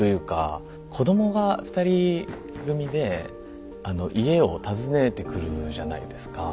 子どもが２人組で家を訪ねてくるじゃないですか。